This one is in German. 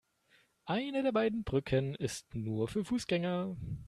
Eine der beiden Brücken ist nur für Fußgänger.